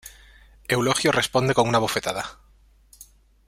Eulogio responde con una bofetada.